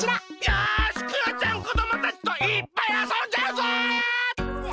よしクヨちゃんこどもたちといっぱいあそんじゃうぞ！